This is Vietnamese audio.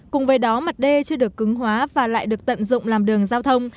cùng với đó mặt đê chưa được cứng hóa và lại được tận dụng làm đường giao thông